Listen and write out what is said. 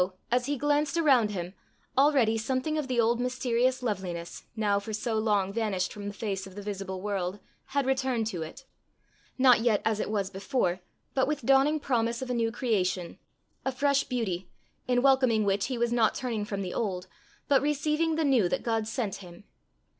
as he glanced around him, already something of the old mysterious loveliness, now for so long vanished from the face of the visible world, had returned to it not yet as it was before, but with dawning promise of a new creation, a fresh beauty, in welcoming which he was not turning from the old, but receiving the new that God sent him.